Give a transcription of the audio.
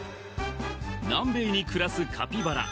南米に暮らすカピバラ